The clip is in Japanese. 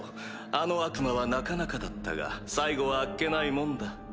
あの悪魔はなかなかだったが最後はあっけないもんだ。